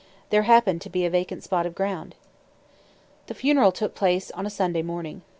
There happened to be a vacant spot of ground. The funeral took place on a Sunday morning.